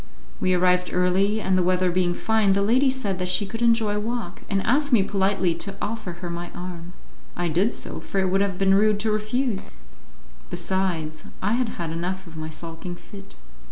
We arrived early, and the weather being fine, the lady said that she could enjoy a walk, and asked me politely to offer her my arm. I did so, for it would have been rude to refuse; besides I had had enough of my sulking fit.